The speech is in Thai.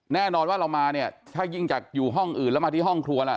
แน่นอนว่าเรามาเนี่ยถ้ายิ่งจากอยู่ห้องอื่นแล้วมาที่ห้องครัวล่ะ